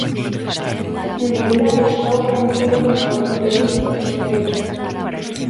En realidade, a obra non xoga nin ao naturalismo nin ao verismo.